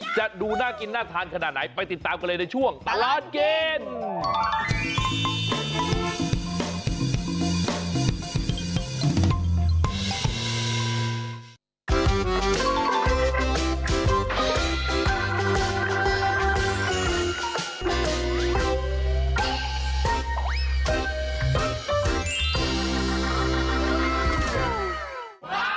จะดูน่ากินน่าทานขนาดไหนไปติดตามกันเลยในช่วงตลอดกิน